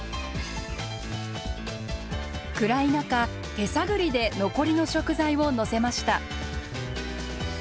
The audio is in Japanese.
手探りで残りの食材をのせました。